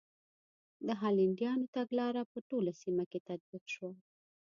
د هالنډیانو تګلاره په ټوله سیمه کې تطبیق شوه.